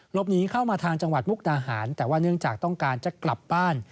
หนีเข้ามาทางจังหวัดมุกดาหารแต่ว่าเนื่องจากต้องการจะกลับบ้าน